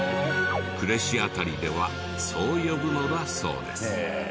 呉市辺りではそう呼ぶのだそうです。